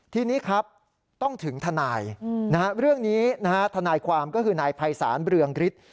ทีนี้นะฮะทนายความก็คือนายภัยศาลเบลืองฤทธิ์